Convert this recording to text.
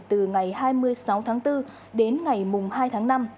từ ngày hai mươi sáu tháng bốn đến ngày hai tháng năm